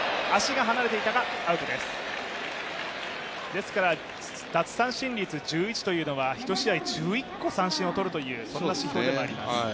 ですから、奪三振率１１というのは、１試合１１個三振を取るという指標でもあります。